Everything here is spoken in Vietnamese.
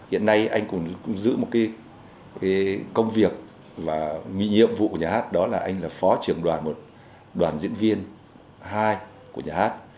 hiện nay anh cũng giữ một công việc và nhiệm vụ của nhà hát đó là anh là phó trường đoàn một đoàn diễn viên hai của nhà hát